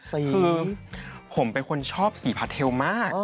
คือผมเป็นคนชอบสีพาเทลมาก